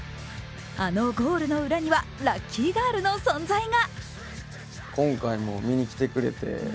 あのゴールの裏にはラッキーガールの存在が。